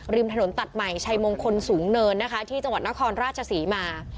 ริมถนนตัดใหม่ชัยมงคลสูงเนินนะคะที่จังหวัดนครราชศรีมา